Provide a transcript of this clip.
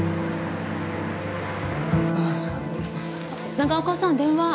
永岡さん電話。